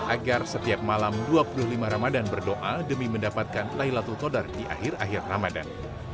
agar setiap malam dua puluh lima ramadhan berdoa demi mendapatkan lailatul todar di akhir akhir ramadhan